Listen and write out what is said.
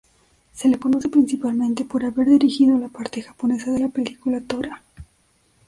Se le conoce principalmente por haber dirigido la parte japonesa de la película "Tora!